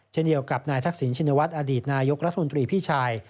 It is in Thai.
เช่นเดียวกับนายทักษิณชินวัฒน์อดีตนายกรัฐมนตรีพี่ชาย